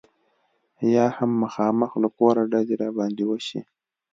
یا هم مخامخ له کوره ډزې را باندې وشي.